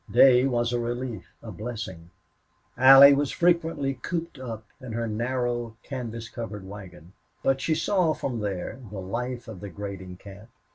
Day was a relief, a blessing. Allie was frequently cooped up in her narrow canvas covered wagon, but she saw from there the life of the grading camp.